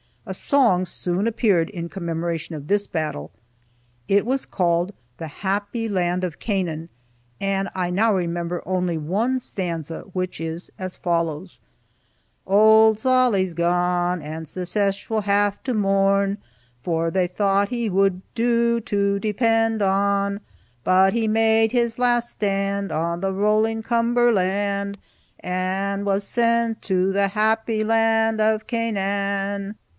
A song soon appeared in commemoration of this battle. It was called "The Happy Land of Canaan," and I now remember only one stanza, which is as follows: "Old Zolly's gone, And Secesh will have to mourn, For they thought he would do to depend on; But he made his last stand On the rolling Cumberland, And was sent to the happy land of Canaan."